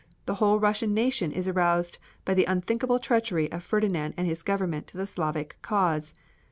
The whole Russian nation is aroused by the unthinkable treachery of Ferdinand and his Government to the Slavic cause.